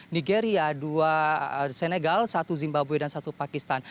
nigeria dua senegal satu zimbabwe dan satu pakistan